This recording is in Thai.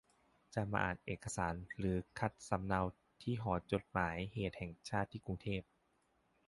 จะมาอ่านเอกสารหรือคัดสำเนาที่หอจดหมายเหตุแห่งชาติที่กรุงเทพ